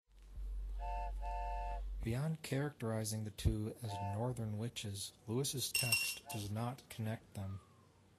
Beyond characterising the two as "Northern Witches", Lewis's text does not connect them.